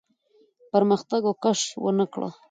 پرمختګ او کش ونه کړ.